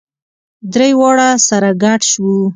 درې واړه سره ګډ شوو.